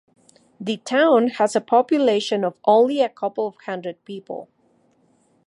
The town has a population of only a couple of hundred people.